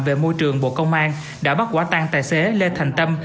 về môi trường bộ công an đã bắt quả tang tài xế lê thành tâm